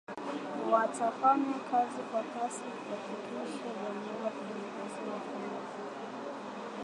watafanya kazi kwa kasi kuhakikisha jamhuri ya kidemokrasia ya Kongo